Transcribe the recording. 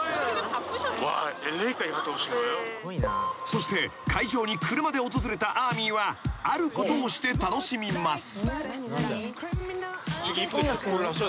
［そして会場に車で訪れたＡＲＭＹはあることをして楽しみます］